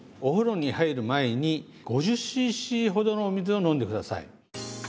お風呂に入る前に５０ｃｃほどのお水を飲んで下さい。